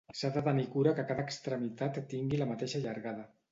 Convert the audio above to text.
S'ha de tenir cura de que cada extremitat tingui la mateixa llargada.